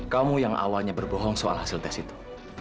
kamu yang awalnya berbohong soal hasil tes itu